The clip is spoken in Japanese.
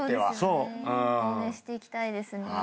応援していきたいですね。